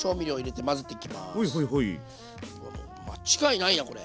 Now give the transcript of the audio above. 間違いないなこれ。